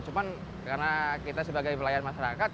cuma karena kita sebagai pelayan masyarakat